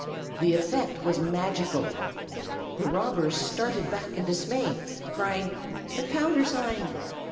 ] The effect was magical. The robbers started back in dismay, crying, "The countersign!"